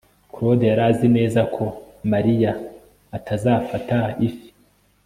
claude yari azi neza ko mariya atazafata ifi